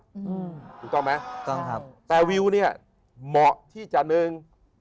ถูกต้องไหมแต่วิวเนี่ยเหมาะที่จะหนึ่ง